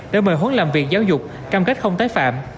đã mời huấn làm việc giáo dục cam kết không tái phạm